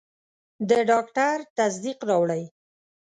د ډاکټر تصدیق راوړئ.